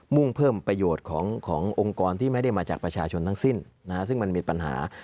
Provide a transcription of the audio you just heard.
่งเพิ่มประโยชน์ขององค์กรที่ไม่ได้มาจากประชาชนทั้งสิ้นซึ่งมันมีปัญหา